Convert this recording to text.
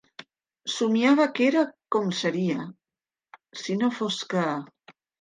Somiava que era com seria si no fos que.